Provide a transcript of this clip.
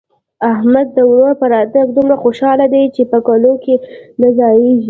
احمد د ورور په راتګ دومره خوشاله دی چې په کالو کې نه ځايېږي.